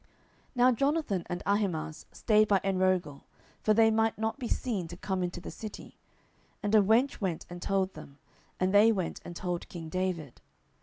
10:017:017 Now Jonathan and Ahimaaz stayed by Enrogel; for they might not be seen to come into the city: and a wench went and told them; and they went and told king David.